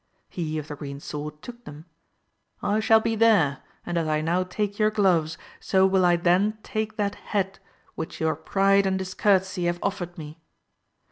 He of the green sword took them — I shall be there, and as I now take your gloves, 80 will I then take that head which your pride and discourtesy have oflFered me.